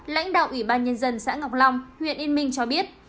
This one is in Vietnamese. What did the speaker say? lãnh đạo ủy ban nhân dân xã ngọc long huyện yên minh cho biết